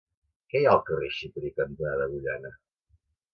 Què hi ha al carrer Xiprer cantonada Agullana?